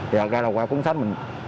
thì ra là qua cuốn sách mình